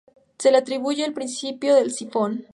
Se le atribuye el principio del sifón.